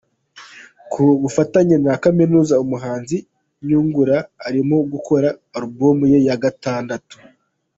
Ku bufatanye na Kaminuza umuhanzi Nyungura arimo gukora alubumu ye ya gatandatu